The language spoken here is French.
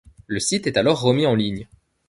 Le site est alors remis en ligne.